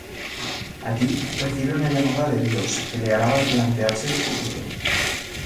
Allí, recibe una llamada de Dios que le hará replantearse su futuro.